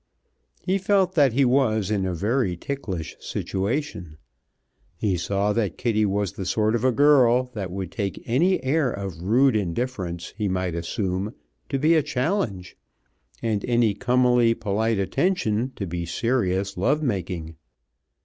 He felt that he was in a very ticklish situation. He saw that Kitty was the sort of girl that would take any air of rude indifference he might assume to be a challenge, and any comely polite attention to be serious love making.